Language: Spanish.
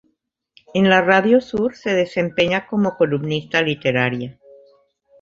En la radio Sur se desempeña como columnista literaria.